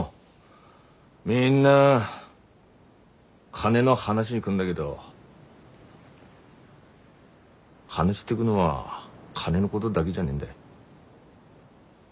みんな金の話に来んだげど話してぐのは金のごどだげじゃねんだ。